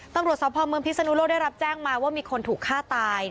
ตำรวจสพเมืองพิศนุโลกได้รับแจ้งมาว่ามีคนถูกฆ่าตาย